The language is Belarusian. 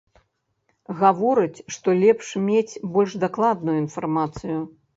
Гаворыць, што лепш мець больш дакладную інфармацыю.